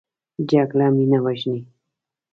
جګړه مینه وژني